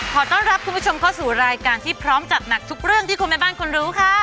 ขอต้อนรับคุณผู้ชมเข้าสู่รายการที่พร้อมจัดหนักทุกเรื่องที่คุณแม่บ้านคุณรู้ค่ะ